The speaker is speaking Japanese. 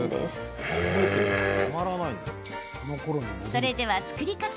それでは作り方。